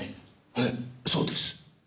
ええそうです。